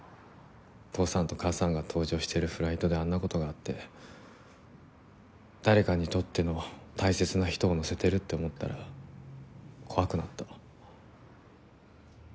父さんと母さんが搭乗してるフライトであんな事があって誰かにとっての大切な人を乗せてるって思ったら怖くなった。